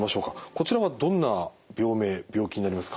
こちらはどんな病名病気になりますか？